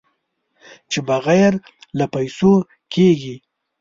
چې بغیر له پېسو کېږي.